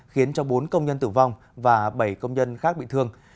khiến cho bốn công nhân tử vong và bảy công nhân khác bị thương